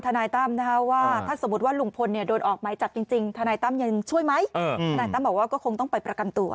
ฐตั้มบอกว่าก็คงต้องไปประกันตัว